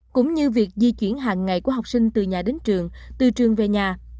cũng như việc di chuyển hàng ngày của học sinh từ nhà đến trường từ trường về nhà